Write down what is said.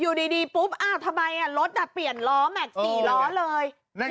อยู่ดีปุ๊บทำไมรถเปลี่ยนล้อแม็กซ์๔ล้อเลย